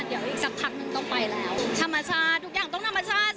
เดี๋ยวอีกสักพักนึงต้องไปแล้วธรรมชาติทุกอย่างต้องธรรมชาติ